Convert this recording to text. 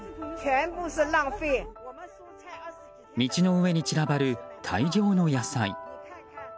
道の上に散らばる大量の野菜。